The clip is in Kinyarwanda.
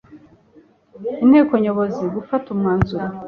inteko nyobozi gufata umwanzuro